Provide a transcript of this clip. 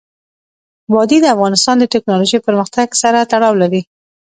وادي د افغانستان د تکنالوژۍ پرمختګ سره تړاو لري.